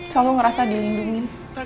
selalu ngerasa dilindungi